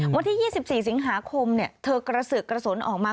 วันที่๒๔สิงหาคมเธอกระสือกกระสุนออกมา